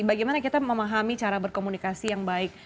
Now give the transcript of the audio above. bagaimana kita memahami cara berkomunikasi yang baik